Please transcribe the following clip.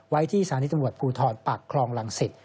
ไว้ที่สาริจังหวัดภูทรปักครองลังสิทธิ์